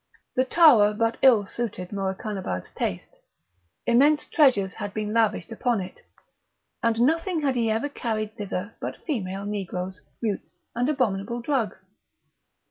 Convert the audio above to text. The tower but ill suited Morakanabad's taste. Immense treasures had been lavished upon it; and nothing had he ever seen carried thither but female negroes, mutes, and abominable drugs.